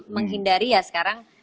menghindari ya sekarang